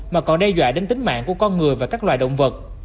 mà còn đe dọa đến tính mạng của con người và các loài động vật